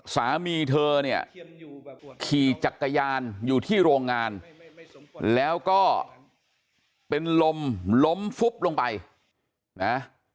สามีเธอเนี่ยขี่จักรยานอยู่ที่โรงงานแล้วก็เป็นลมล้มฟุบลงไปนะ